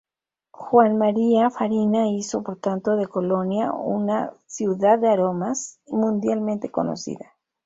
Juan María Farina hizo por tanto de Colonia una ciudad de aromas mundialmente conocida.